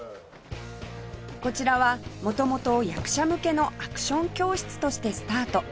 こちらは元々役者向けのアクション教室としてスタート